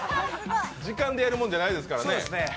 時間でやるものじゃないですからね。